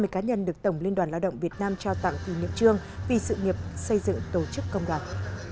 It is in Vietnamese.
hai mươi cá nhân được tổng liên đoàn lao động việt nam trao tặng tùy niệm trương vì sự nghiệp xây dựng tổ chức công đoàn